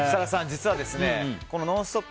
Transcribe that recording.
実は「ノンストップ！」